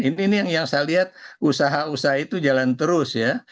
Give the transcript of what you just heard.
ini yang saya lihat usaha usaha itu jalan terus ya